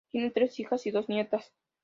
Tiene tres hijas y dos nietas.